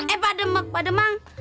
eh pak demek pak demang